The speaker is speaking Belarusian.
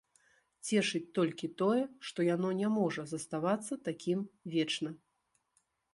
Цешыць толькі тое, што яно не можа заставацца такім вечна.